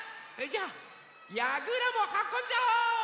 じゃあやぐらもはこんじゃおう！